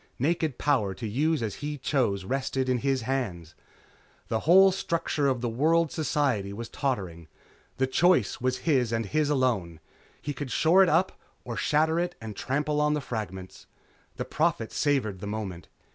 Naked power to use as he chose rested in his hands. The whole structure of world society was tottering. The choice was his and his alone. He could shore it up or shatter it and trample on the fragments.... The Prophet savored the moment.